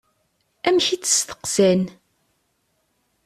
Amek i tt-steqsan?